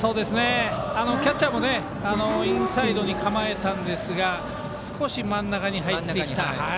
キャッチャーもインサイドに構えたんですが少し真ん中に入ってきて。